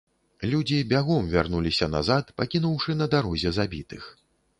Людзі бягом вярнуліся назад, пакінуўшы на дарозе забітых.